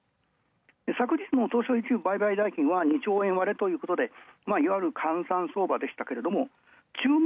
昨日も東証１部売買代金は２兆円われということで、いわゆる換算相場。